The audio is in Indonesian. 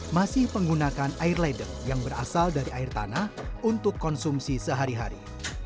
masih menggunakan air ledek yang berasal dari air tanah untuk konsumsi sehari hari